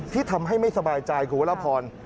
ที่ทำให้ไม่สบายใจกับหัวละพร